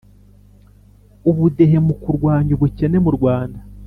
ubudehe mu kurwanya ubukene mu rwanda